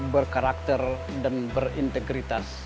berkarakter dan berintegritas